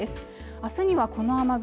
明日にはこの雨雲